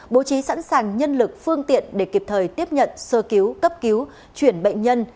bố trí sẵn sàng nhân lực phương tiện để kịp thời tiếp nhận sơ cứu cấp cứu chuyển bệnh nhân